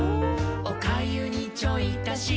「おかゆにちょい足し」